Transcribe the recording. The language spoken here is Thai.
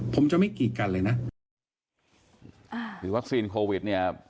ผมจะไม่กีดกันเลยนะอ่าหรือวัคซีนโควิดเนี่ย